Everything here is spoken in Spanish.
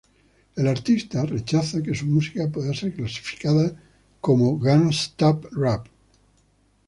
El artista rechaza que su música pueda ser clasificada como gangsta rap.